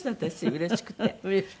うれしくて？